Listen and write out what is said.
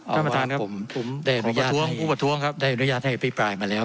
เอาว่าผมได้อนุญาตให้ได้อนุญาตให้ผู้อภิปรายมาแล้ว